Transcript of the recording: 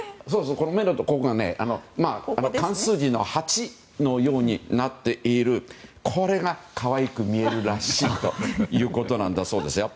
目のここが漢数字の「八」のようになっているこれが可愛く見えるらしいということなんだそうですよ。